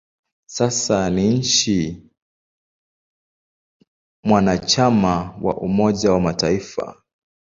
Sasa ni nchi mwanachama wa Umoja wa Mataifa.